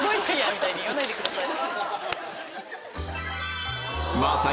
みたいに言わないでください。